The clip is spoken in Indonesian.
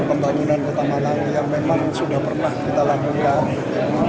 pembangunan kota malang yang memang sudah pernah kita lakukan